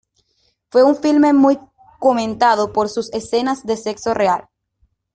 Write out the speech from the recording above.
Fue un filme muy comentado por sus escenas de sexo real.